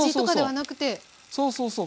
そうそうそう。